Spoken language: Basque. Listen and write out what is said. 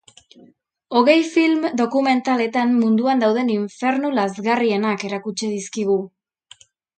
Hogei film dokumentaletan munduan dauden infernu lazgarrienak erakutsi dizkigu.